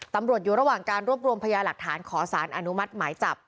ตำรวจอยู่ระหว่างการรวบรวมพยาหลักฐานขอสารอนุมัติหมายจับ